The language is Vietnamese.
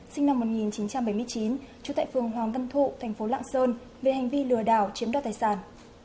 sinh năm một nghìn chín trăm bảy mươi chín trú tại phường hoàng văn thụ thành phố lạng sơn về hành vi lừa đảo chiếm đoạt tài sản